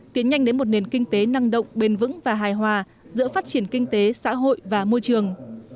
tiến nhanh đến một nền kinh tế năng động bền vững và hài hòa giữa phát triển kinh tế xã hội và môi trường